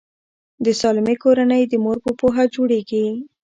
د سالمې کورنۍ د مور په پوهه جوړیږي.